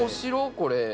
これ。